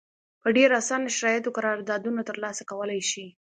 په ډېر اسانه شرایطو قراردادونه ترلاسه کولای شي.